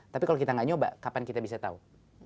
tapi kalau kita tidak mencoba kapan kita bisa tahu